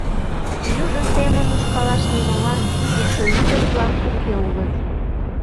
Южо семын ушкалаш нимолан: тушто ӱдыр-влак уке улыт.